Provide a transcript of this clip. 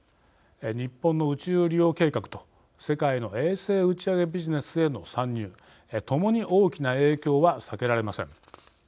日本の宇宙利用計画と世界の衛星打ち上げビジネスへの参入ともに大きな影響は避けられません。